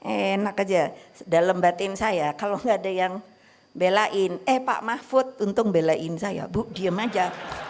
enak aja dalam batin saya kalau nggak ada yang belain eh pak mahfud untung belain saya bu diem aja